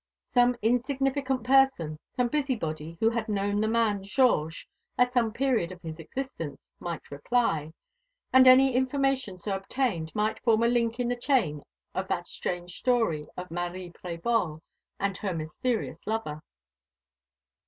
Some insignificant person, some busybody who had known the man Georges at some period of his existence, might reply; and any information so obtained might form a link in the chain of that strange story of Marie Prévol and her mysterious lover.